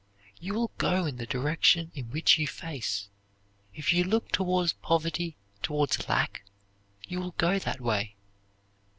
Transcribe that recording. You will go in the direction in which you face. If you look towards poverty, towards lack, you will go that way.